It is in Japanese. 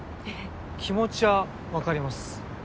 気持ちは分かります。